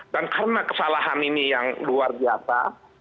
dan karena kesalahan ini yang luar biasa